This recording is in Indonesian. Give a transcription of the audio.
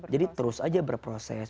jadi terus aja berproses